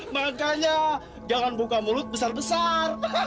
makanya jangan buka mulut besar besar